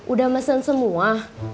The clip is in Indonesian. udah mesen semua